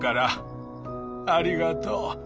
ありがとう。